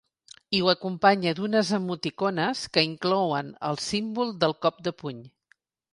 I ho acompanya d’unes emoticones que inclouen el símbol del cop de puny.